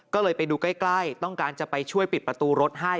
ก็เลยไปดูใกล้ต้องการจะไปช่วยปิดประตูรถให้